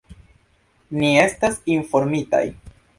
Ni estas informitaj.